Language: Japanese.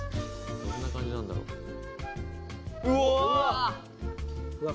どんな感じなんだろううわっ！